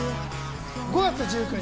５月１９日